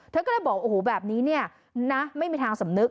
เธอก็เลยบอกโอ้โหแบบนี้เนี่ยนะไม่มีทางสำนึก